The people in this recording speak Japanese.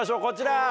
こちら！